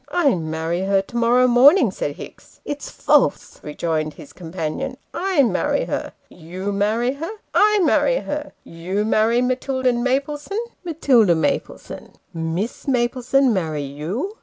' I marry her to morrow morning," said Hicks. ' It's false," rejoined his companion :" I marry her !"' You marry her ?"' I marry her !"' You marry Matilda Maplesone ?"' Matilda Maplesone." ' Miss Maplesone marry you